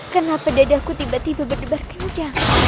kenapa dadahku tiba tiba berdebar kencang